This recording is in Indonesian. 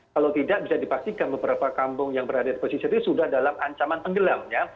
kalau tidak bisa dipastikan beberapa kampung yang berada di pesisir itu sudah dalam ancaman tenggelamnya